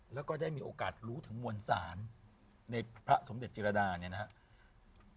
แล้วก็ได้มีโอกาสรู้ถึงมวลศาลในพระสมเด็จจิรดาเนี่ยนะครับ